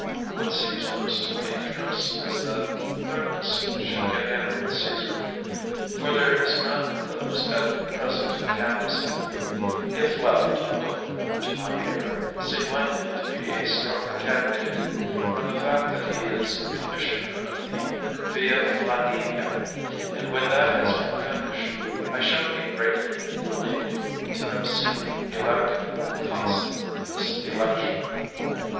What seems most to my interests is that Thermus should get in with Caesar. For there is none of those at present canvassing who, if left over to my year, seems likely to be a stronger candidate, from the fact that he is commissioner of the via Flaininia, and when that has been finished, I shall be greatly relieved to have seen him elected consul this election.